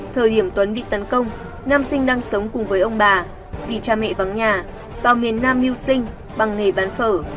thời điểm tuấn bị tấn công nam sinh đang sống cùng với ông bà vì cha mẹ vắng nhà vào miền nam mưu sinh bằng nghề bán phở